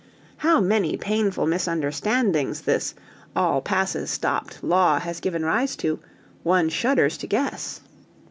How many painful misunderstandings this "All passes stopped" law has given rise to, one shudders to guess.